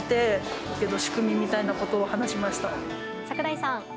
櫻井さん。